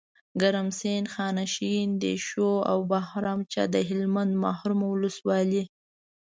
ګرمسیر، خانشین، دیشو او بهرامچه دهلمند محرومه ولسوالۍ